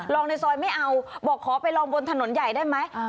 ในซอยไม่เอาบอกขอไปลองบนถนนใหญ่ได้ไหม